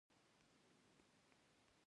ونې د ژوند لپاره ډېرې ګټې لري.